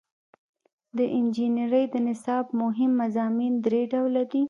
د انجنیری د نصاب مهم مضامین درې ډوله دي.